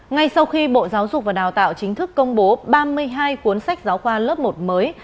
ngay sau khi bộ giáo dục và đào tạo chính thức công bố ba mươi hai cuốn sách giáo khoa lớp một mới